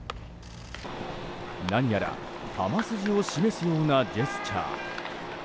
何やら球筋を示すようなジェスチャー。